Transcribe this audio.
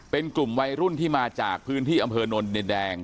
เป็นกลุ่มวัยรุ่นที่มาจากพื้นที่อำเภอนนดินแดง